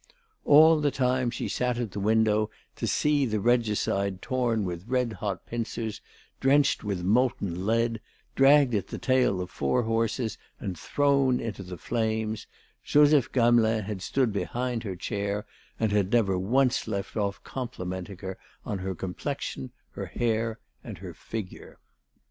All the time she sat at the window to see the regicide torn with red hot pincers, drenched with molten lead, dragged at the tail of four horses and thrown into the flames, Joseph Gamelin had stood behind her chair and had never once left off complimenting her on her complexion, her hair and her figure.